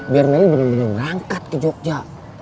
biar meli benar benar berangkat ke jogja